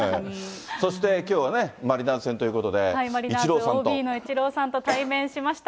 そして、きょうはマリナーズマリナーズＯＢのイチローさんと対面しました。